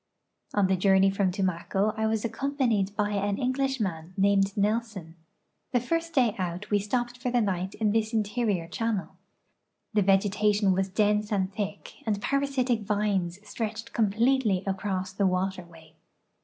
On the journey from Tumaco I was accompanied by an English man named Nelson. The first day out we stoi)ped for the night in this interior channel. The vegetation was dense and thick, and ])arasitic vines stretched completely across the waterway.